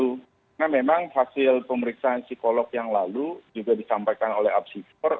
karena memang hasil pemeriksaan psikolog yang lalu juga disampaikan oleh absisor